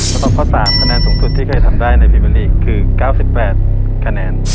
สำหรับข้อ๓คะแนนสูงสุดที่เคยทำได้ในภีมิลลีกซ์คือ๙๘คะแนน